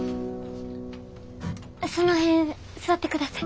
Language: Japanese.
その辺座ってください。